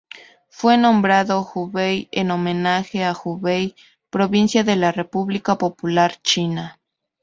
Fue nombrado Hubei en homenaje a Hubei provincia de la República Popular China.